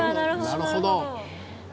なるほど。